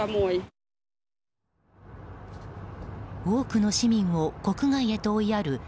多くの市民を国外へと追いやる